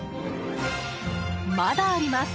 まだあります！